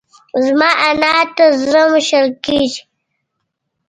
زما انارو ته زړه مښل کېږي.